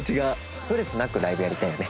ストレスなくライブやりたいね。